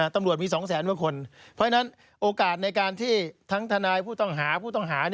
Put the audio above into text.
ตำรวจมี๒แสนกว่าคนเพราะฉะนั้นโอกาสในการที่ทั้งทนายผู้ต้องหาผู้ต้องหา